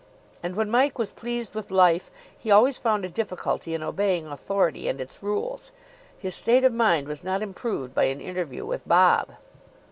And when Mike was pleased with life he always found a difficulty in obeying Authority and its rules. His state of mind was not improved by an interview with Bob.